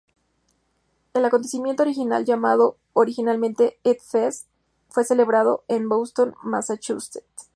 El acontecimiento original, llamado originalmente Edge Fest, fue celebrado en Boston, Massachusetts.